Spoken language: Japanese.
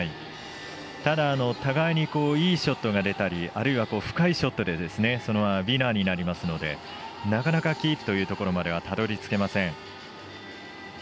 ただ、互いにいいショットが出たりあるいは深いショットでそれがウィナーになりますのでなかなかキープというところまでたどりつけません。